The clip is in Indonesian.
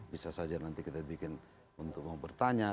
bisa saja nanti kita bikin untuk mau bertanya